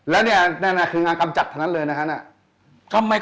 แล้วเนี่ยคืองานกำจัดเท่านั้นเลยนะครับ